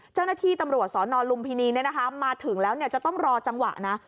เจ้าหน้าที่ตำรวจสอนอนลุมพินีเนี่ยนะคะมาถึงแล้วเนี่ยจะต้องรอจังหวะนะ